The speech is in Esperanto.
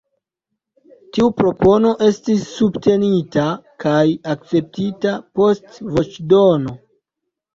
Tiu propono estis subtenita kaj akceptita post voĉdono.